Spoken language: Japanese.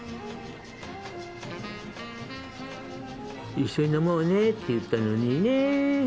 一緒に飲もうねって言ったのにね。